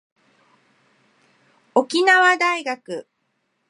沖縄大学